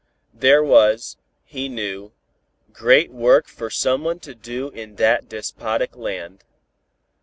There was, he knew, great work for someone to do in that despotic land.